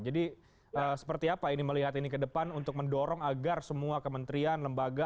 jadi seperti apa ini melihat ini ke depan untuk mendorong agar semua kementerian lembaga